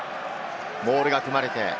モールが組まれて。